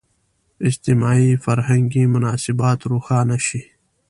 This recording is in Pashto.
اجتماعي – فرهنګي مناسبات روښانه شي.